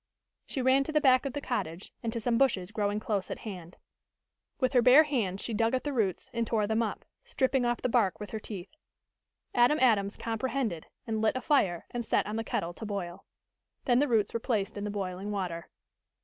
She ran to the back of the cottage and to some bushes growing close at hand. With her bare hands she dug at the roots and tore them up, stripping off the bark with her teeth. Adam Adams comprehended, and lit a fire and set on the kettle to boil. Then the roots were placed in the boiling water.